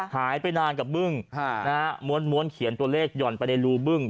หายไปนานกับบึ้งม้วนเขียนตัวเลขหย่อนไปในรูบึ้ง